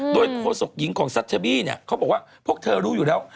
โดยโฆษกหญิงของซัทเชอรี่เนี่ยเขาบอกว่าพวกเธอรู้อยู่แล้ว